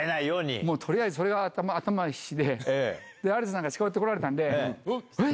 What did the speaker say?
もうとりあえず、それが頭に必死で、有田さんがすーっと来られたんで、えっ？